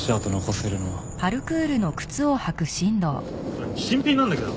それ新品なんだけど！